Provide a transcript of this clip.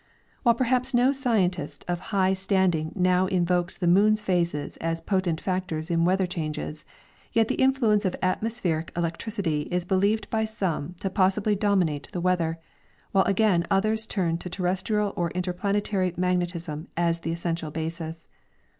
■ While perhaps no scientist of high standing now invokes the moon's phases as potent factors in weather changes, yet the influence of atmospheric electricity is believed by some to possibly dominate the weather, while again others turn to terrestrial or interplanetary magnetism as the essential basis.